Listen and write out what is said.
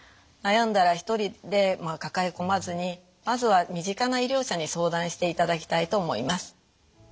悩んだら１人で抱え込まずにまずは身近な医療者に相談していただきたいと思います。